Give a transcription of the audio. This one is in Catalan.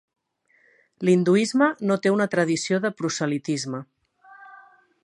L"hinduisme no té una tradició de proselitisme.